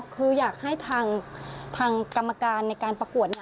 คืออยากให้ทางกรรมการในการประกวด